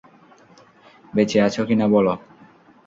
বেঁচে আছো কিনা বলো।